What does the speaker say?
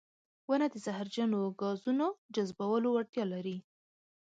• ونه د زهرجنو ګازونو جذبولو وړتیا لري.